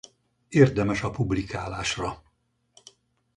Érdemes a publikálásra!